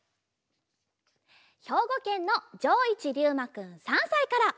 ひょうごけんのじょういちりゅうまくん３さいから。